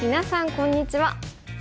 こんにちは。